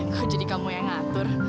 engkau jadi kamu yang ngatur